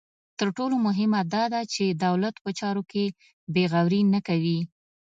تر ټولو مهمه دا ده چې دولت په چارو کې بې غوري نه کوي.